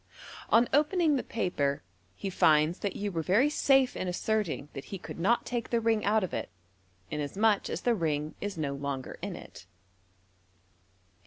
On opening the papei he finds that you were very safe in asserting that he could not take the ring out of it, inasmuch as the ring is no longer in it.